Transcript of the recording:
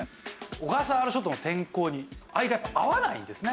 小笠原諸島の天候に藍がやっぱ合わないんですね。